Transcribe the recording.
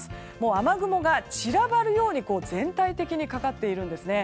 雨雲が散らばるように全体的にかかっているんですね。